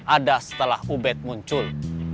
ada setelah ubed muncul